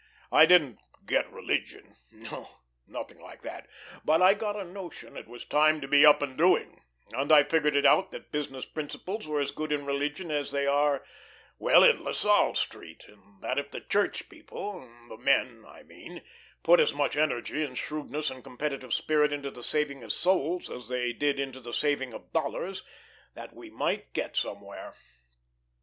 I didn't "get religion." No, nothing like that. But I got a notion it was time to be up and doing, and I figured it out that business principles were as good in religion as they are well, in La Salle Street, and that if the church people the men I mean put as much energy, and shrewdness, and competitive spirit into the saving of souls as they did into the saving of dollars that we might get somewhere.